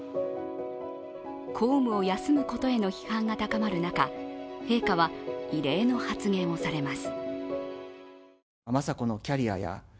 公務を休むことへの批判が高まる中、陛下は異例の発言をされます。